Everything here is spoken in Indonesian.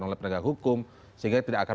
oleh penegak hukum sehingga tidak akan